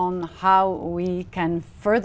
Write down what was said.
nhân tộc biết